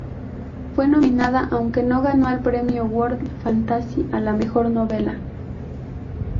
Fue nominada aunque no ganó al Premio World Fantasy a la mejor novela.